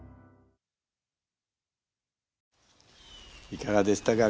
いかがでしたか？